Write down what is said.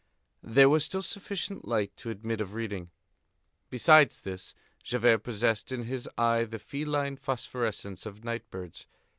There was still sufficient light to admit of reading. Besides this, Javert possessed in his eye the feline phosphorescence of night birds.